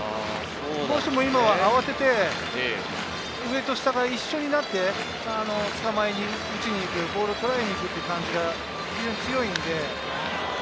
どうしても今は慌てて上と下が一緒になってセンター前に打ちに行く、ボールをとらえにいくっていう感じが非常に強いので。